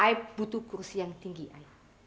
i butuh kursi yang tinggi ayah